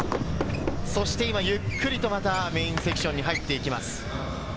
そして今ゆっくりと、またメインセクションに入っていきます。